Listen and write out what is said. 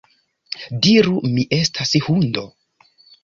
Diru, mi estas hundo